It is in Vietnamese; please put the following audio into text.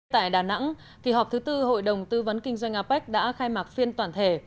tại đà nẵng kỳ họp thứ tư hội đồng tư vấn kinh doanh apec đã khai mạc phiên toàn thể